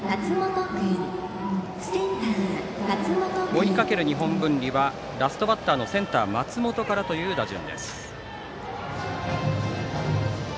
追いかける日本文理はラストバッターのセンター、松本からという打順。